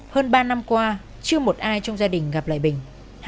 hơn ba năm qua chưa một ai trong gia đình gặp lại bình